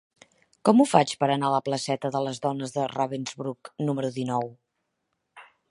Com ho faig per anar a la placeta de les Dones de Ravensbrück número dinou?